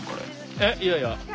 えっいやいや。